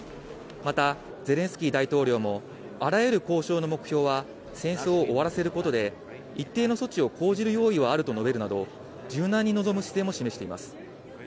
また、ゼレンスキー大統領も、あらゆる交渉の目標は、戦争を終わらせることで、一定の措置を講じる用意はあると述べるなど、柔軟に臨む姿勢も示しています。